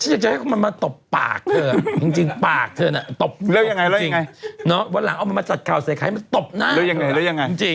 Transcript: จริงตบหน้าอย่างงี้เลย